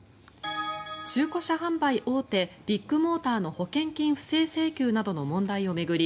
中古車販売大手ビッグモーターの保険金不正請求などの問題を巡り